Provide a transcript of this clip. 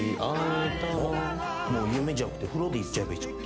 「夢」じゃなくて「風呂」でいっちゃえばいいじゃん。